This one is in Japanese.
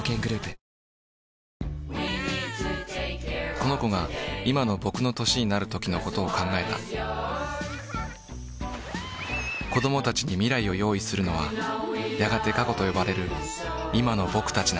この子が今のぼくの歳になる時のことを考えたこどもたちに「未来」を用意するのはやがて過去とよばれる「今のぼくたち」なんだ